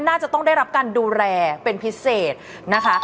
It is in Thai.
น่าจะต้องได้รับการดูแลเป็นพิเศษนะคะ